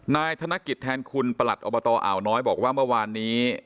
นายธนกิจแทนคุณประหลัดอบตอ่าวน้อยบอกว่าเมื่อวานนี้